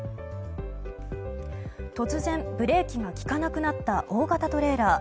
突然、ブレーキが利かなくなった大型トレーラー。